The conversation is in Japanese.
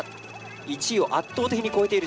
１位を圧倒的に超えている。